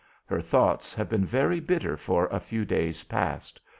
Her thoughts have been very bitter for a few days past.